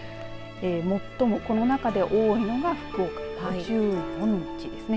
最もこの中で多いのが福岡５４日ですね。